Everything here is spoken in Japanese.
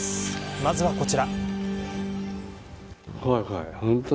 まずはこちら。